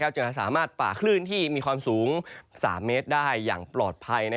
จะสามารถป่าคลื่นที่มีความสูง๓เมตรได้อย่างปลอดภัย